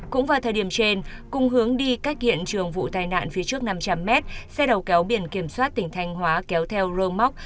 cũng vào thời điểm trên cùng hướng đi cách hiện trường vụ tai nạn phía trước năm trăm linh m xe đầu kéo biển kiểm soát tỉnh thanh hóa kéo theo rơm móc